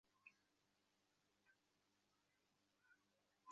আচ্ছা, তোমার নামটা বলো।